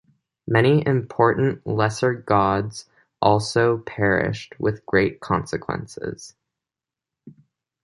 Many important Lesser Gods also perished, with great consequences.